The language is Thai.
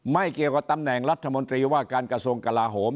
ไม่เกี่ยวกับตำแหน่งรัฐมนตรีว่าการกระทรวงกลาโหม